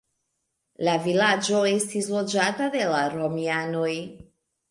La vilaĝo estis loĝata de la romianoj.